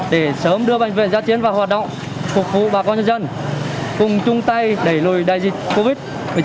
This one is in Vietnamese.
để sớm đưa bệnh viện giã chiến vào hoạt động phục vụ bà con nhân dân cùng chung tay đẩy lùi đại dịch covid một mươi chín